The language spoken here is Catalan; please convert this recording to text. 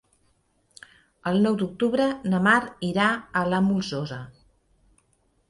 El nou d'octubre na Mar irà a la Molsosa.